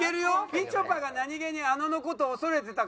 みちょぱが何げにあのの事恐れてたから。